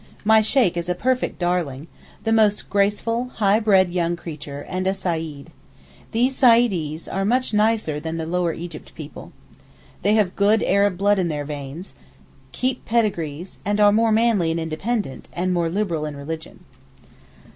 My Sheykh is a perfect darling—the most graceful, high bred young creature, and a Seyyid. These Saeedees are much nicer than the Lower Egypt people. They have good Arab blood in their veins, keep pedigrees, and are more manly and independent, and more liberal in religion.